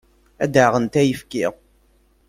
Ad d-aɣent ayefki.